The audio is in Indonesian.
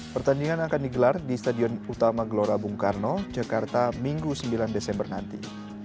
pertandingan akan digelar di stadion utama gelora bung karno jakarta minggu sembilan desember nanti